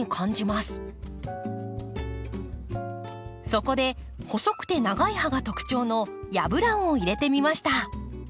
そこで細くて長い葉が特徴のヤブランを入れてみました。